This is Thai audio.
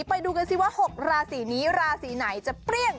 ไปดูกันสิว่า๖ราศีนี้ราศีไหนจะเปรี้ยง